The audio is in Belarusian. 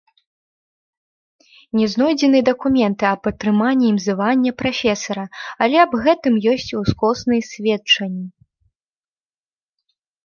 Не знойдзены дакументы аб атрыманні ім звання прафесара, але аб гэтым ёсць ускосныя сведчанні.